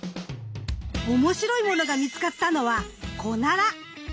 おもしろいものが見つかったのはコナラ。